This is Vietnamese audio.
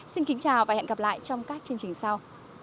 xin kính chào và hẹn gặp lại trong các chương trình sau